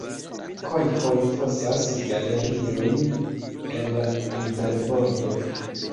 Kojpoj fosas galeriojn en la riverbordoj.